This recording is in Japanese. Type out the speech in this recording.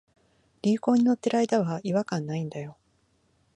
流行に乗ってる間は違和感ないんだよ